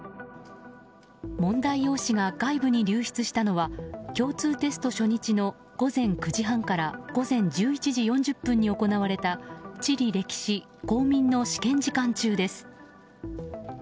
問題用紙が外部に流出したのは共通テスト初日の午前９時半から午前１１時４０分に行われた地理歴史・公民の試験時間中です。